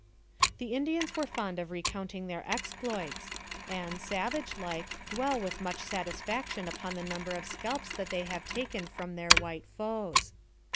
The Indians are fond of recounting their exploits, and, savage like, dwell with much satisfaction upon the number of scalps they have taken from their white foes.